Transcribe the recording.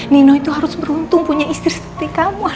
nino itu harus beruntung punya istri seperti kamu